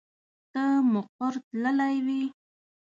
ته مقر تللی وې.